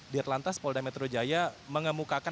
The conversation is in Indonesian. di atlantas polda metro jaya mengemukakan